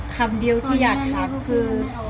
คำเดียวที่อยากถามคือ